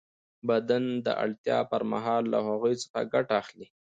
بدن د اړتیا پر مهال له هغوی څخه ګټه اخلي.